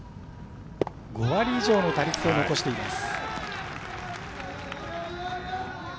５割以上の打率を残しています。